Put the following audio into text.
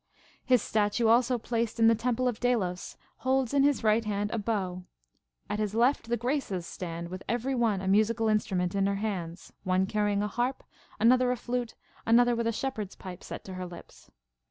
His statue also placed in the Temple of Delos holds in his right hand a bow ; at his left the Graces stand, with every one a musical instrument in her hands, one car rying a harp, another a flute, another with a shepherd's pipe set to her lips.